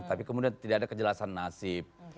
tapi kemudian tidak ada kejelasan nasib